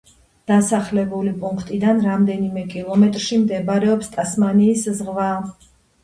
დასახლებული პუნქტიდან რამდენიმე კილომეტრში მდებარეობს ტასმანიის ზღვა.